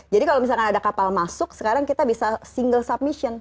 jadi kalau misalnya ada kapal masuk sekarang kita bisa single submission